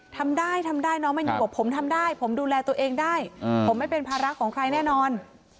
ทำได้ทำได้น้องแมนยูบอกผมทำได้ผมดูแลตัวเองได้ผมไม่เป็นภาระของใครแน่นอน